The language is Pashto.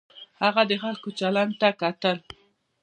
هغه د خلکو چلند ته کتل.